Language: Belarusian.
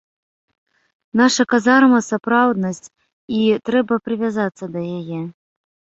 Наша казарма сапраўднасць, і трэба прывязацца да яе.